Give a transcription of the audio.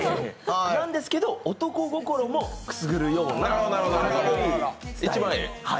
なんですけど、男心もくすぐるような。